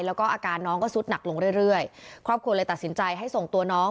แล้วก็อาการน้องก็สุดหนักลงเรื่อยเรื่อยครอบครัวเลยตัดสินใจให้ส่งตัวน้อง